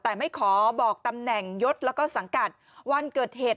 แต่ไม่ขอบอกตำแหน่งยศแล้วก็สังกัดวันเกิดเหตุ